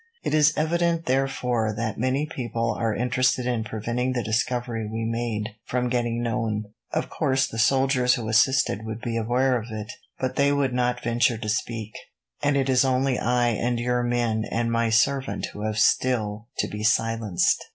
It is evident, therefore, that many people are interested in preventing the discovery we made from getting known. Of course, the soldiers who assisted would be aware of it, but they would not venture to speak, and it is only I and your men and my servant who have still to be silenced.